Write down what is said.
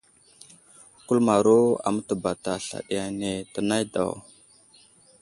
Kuləmaro a mətabata slal ane tə nay daw.